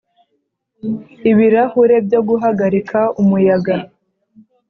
Ibirahure byo guhagarika umuyaga